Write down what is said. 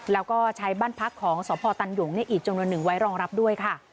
แล้วก็ใช้บ้านพักของสพตันหยุงอีกจำนวนหนึ่งไว้รองรับด้วยค่ะ